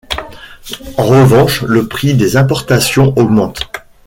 En revanche, le prix des importations augmente.